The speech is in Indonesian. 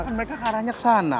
kan mereka ke arahnya kesana